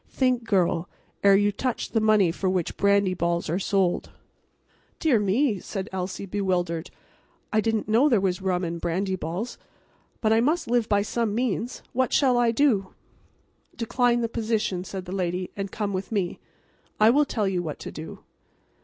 Think, girl, ere you touch the money for which brandy balls are sold." "Dear me," said Elsie, bewildered. "I didn't know there was rum in brandy balls. But I must live by some means. What shall I do?" "Decline the position," said the lady, "and come with me. I will tell you what to do."